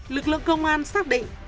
lực lượng công an xác định